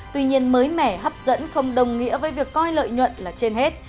tuy nhiên mới mẻ hấp dẫn không đồng nghĩa với việc coi lợi nhuận là trên hết